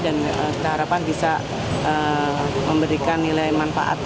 dan kita harapan bisa memberikan nilai manfaat